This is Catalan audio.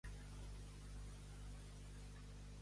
Tenir un peu al cementeri.